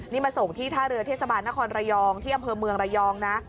นี่มาส่งที่ท่าเรือเทศบาลนครระยองที่อำเภอเมืองระยองนะ